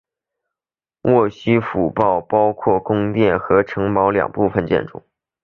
沃夫西城堡包括宫殿和城堡两部分建筑。